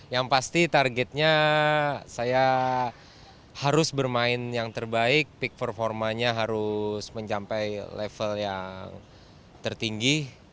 yang pasti targetnya saya harus bermain yang terbaik peak performanya harus mencapai level yang tertinggi